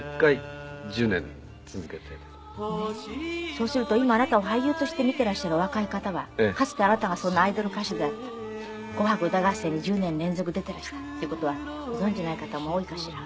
そうすると今あなたを俳優として見ていらっしゃるお若い方はかつてあなたがそんなアイドル歌手だった『紅白歌合戦』に１０年連続出ていらしたっていう事はご存じない方も多いかしら？